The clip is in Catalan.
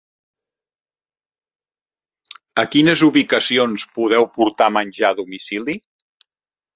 A quines ubicacions podeu portar menjar a domicili?